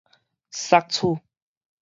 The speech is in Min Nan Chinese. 索取